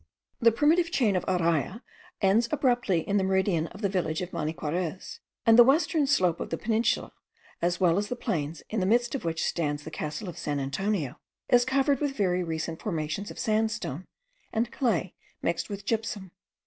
The primitive chain of Araya ends abruptly in the meridian of the village of Maniquarez; and the western slope of the peninsula, as well as the plains in the midst of which stands the castle of San Antonio, is covered with very recent formations of sandstone and clay mixed with gypsum.